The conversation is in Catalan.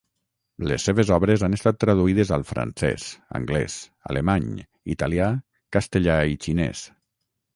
Les seves obres han estat traduïdes al francès, anglès, alemany, italià, castellà i xinès.